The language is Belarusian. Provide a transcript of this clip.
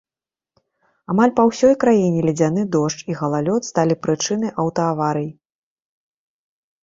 Амаль па ўсёй краіне ледзяны дождж і галалёд сталі прычынай аўтааварый.